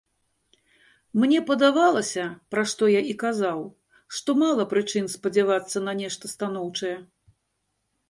Мне падавалася, пра што я і казаў, што мала прычын спадзявацца на нешта станоўчае.